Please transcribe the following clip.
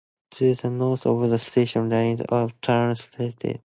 To the north of the station lies a turnback siding.